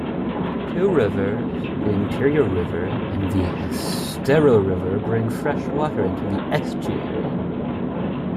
Two rivers, the Imperial River and the Estero River bring freshwater into the estuary.